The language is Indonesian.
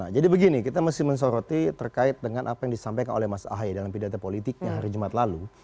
jadi begini kita mesti menyoroti terkait dengan apa yang disampaikan oleh mas ahy dalam pidata politiknya hari jumat lalu